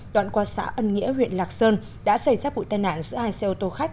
đoạn qua xã ân nghĩa huyện lạc sơn đã xảy ra vụ tai nạn giữa hai xe ô tô khách